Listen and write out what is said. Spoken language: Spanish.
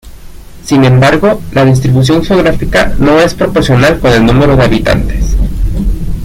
Sin embargo, la distribución geográfica no es proporcional con el número de habitantes.